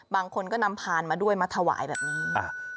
บางคนก็นำพานมาด้วยมาถวายแบบนี้